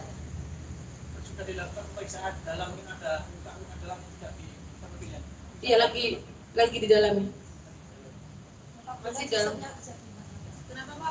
itu juga dilakukan pengisahan di dalam mungkin ada muka muka dalam juga di tempat pilihan